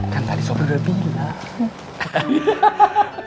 kan tadi sofi udah bilang